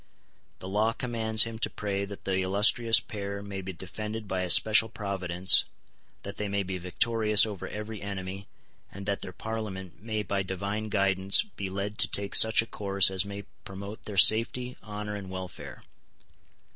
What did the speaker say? The law commands him to pray that the illustrious pair may be defended by a special providence, that they may be victorious over every enemy, and that their Parliament may by divine guidance be led to take such a course as may promote their safety, honour, and welfare.